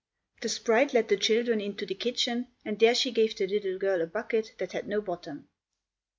The sprite led the children into the kitchen and there she gave the little girl a bucket that had no bottom.